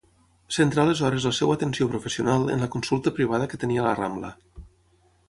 Centrà aleshores la seva atenció professional en la consulta privada que tenia a La Rambla.